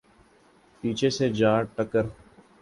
پیچھے سے جا ٹکر